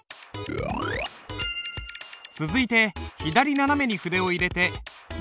続いて左斜めに筆を入れて右に引く。